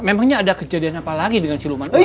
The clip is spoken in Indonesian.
memangnya ada kejadian apa lagi dengan siluman